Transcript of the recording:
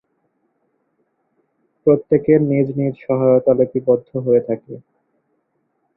প্রত্যেকের নিজ নিজ সহায়তা লিপিবদ্ধ হয়ে থাকে।